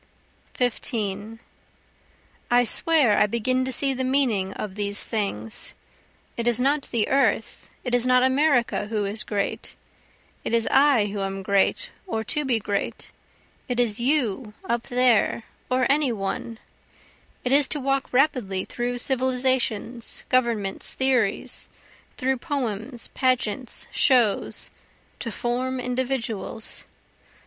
15 I swear I begin to see the meaning of these things, It is not the earth, it is not America who is so great, It is I who am great or to be great, it is You up there, or any one, It is to walk rapidly through civilizations, governments, theories, Through poems, pageants, shows, to form individuals.